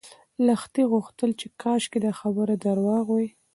لښتې غوښتل چې کاشکې دا خبر درواغ وای.